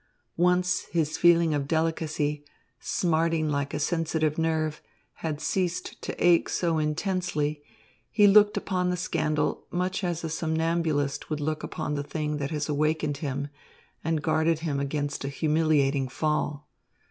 Once his feeling of delicacy, smarting like a sensitive nerve, had ceased to ache so intensely, he looked upon the scandal much as a somnambulist would look upon the thing that has awakened him and guarded him against a humiliating fall.